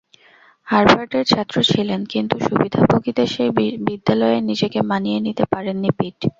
হার্ভাডের ছাত্র ছিলেন, কিন্তু সুবিধাভোগীদের সেই বিদ্যালয়ে নিজেকে মানিয়ে নিতে পারেননি পিট।